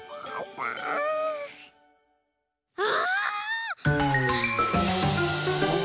あ。